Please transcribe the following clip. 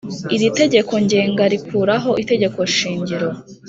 Iri tegeko ngenga rikuraho Itegeko shingiro